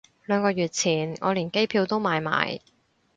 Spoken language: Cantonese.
兩個月前我連機票都買埋